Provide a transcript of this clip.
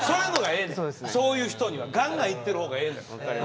そういう人にはガンガンいってるほうがええねん。